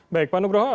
baik pak nugroho